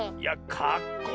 かっこいい！